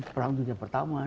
perang dunia pertama